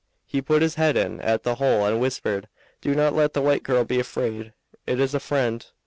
He put his head in at the hole and whispered, 'Do not let the white girl be afraid; it is a friend.